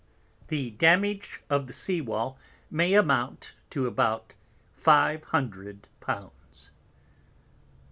The Damage of the Sea wall may amount to about five Hundred Pounds.